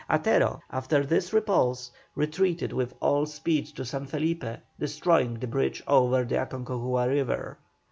Atero, after this repulse, retreated with all speed to San Felipe, destroying the bridge over the Aconcagua river.